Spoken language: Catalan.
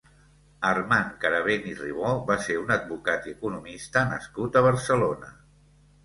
Armand Carabén i Ribó va ser un advocat i economista nascut a Barcelona.